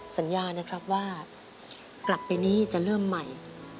สัญญานะครับว่ากลับไปนี้จะเริ่มใหม่